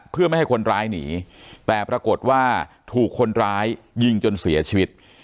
เพื่อไม่ให้คนร้ายหนีแต่ปรากฏว่าถูกคนร้ายยิงจนเสียชีวิต